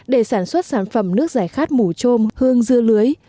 để sản xuất sản phẩm nước giải khát mủ trôm hương dưa lưới